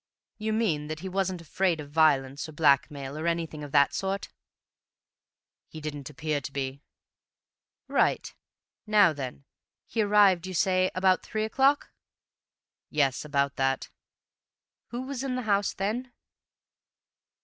"You mean that he wasn't afraid of violence, or blackmail, or anything of that sort?" "He didn't appear to be." "Right.... Now then, he arrived, you say, about three o'clock?" "Yes, about that." "Who was in the house then?"